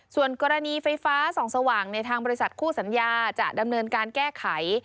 ส่วนกรณีไฟฟ้าส่องสว่างในทางบริษัทคู่สัญญาจะดำเนินการแก้ไข